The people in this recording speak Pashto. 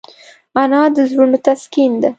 انا د زړونو تسکین ده